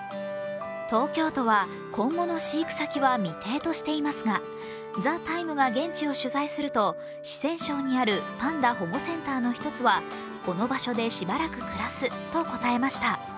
東京都は今後の飼育先は未定としていますが、「ＴＨＥＴＩＭＥ，」が現地を取材すると四川省にあるパンダ保護センターの一つはこの場所でしばらく暮らすと答えました。